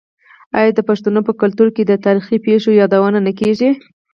آیا د پښتنو په کلتور کې د تاریخي پیښو یادونه نه کیږي؟